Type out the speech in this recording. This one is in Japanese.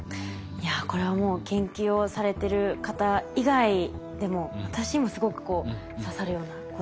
いやこれはもう研究をされてる方以外でも私にもすごくこう刺さるような言葉でした。